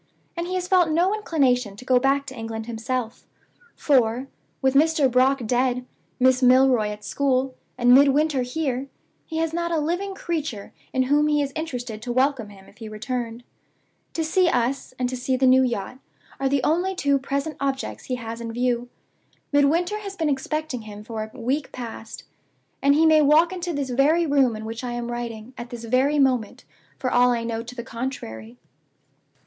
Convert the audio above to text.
And he has felt no inclination to go back to England himself; for, with Mr. Brock dead, Miss Milroy at school, and Midwinter here, he has not a living creature in whom he is interested to welcome him if he returned. To see us, and to see the new yacht, are the only two present objects he has in view. Midwinter has been expecting him for a week past, and he may walk into this very room in which I am writing, at this very moment, for all I know to the contrary.